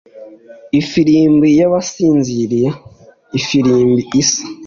Ifirimbi y'abasinzira ifirimbi isa